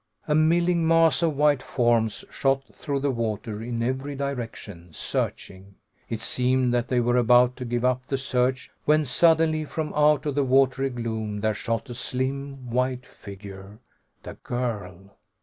A milling mass of white forms shot through the water in every direction, searching. It seemed that they were about to give up the search when suddenly, from out of the watery gloom, there shot a slim white figure the girl!